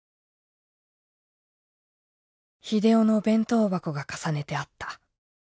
「秀雄の弁当箱が重ねてあった。